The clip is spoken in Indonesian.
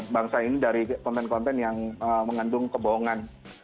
bangsa ini dari konten konten yang mengandung kebohongan